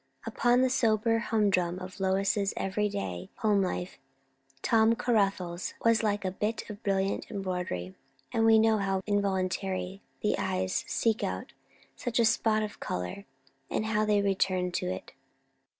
Upon the sober humdrum of Lois's every day home life, Tom Caruthers was like a bit of brilliant embroidery; and we know how involuntarily the eyes seek out such a spot of colour, and how they return to it.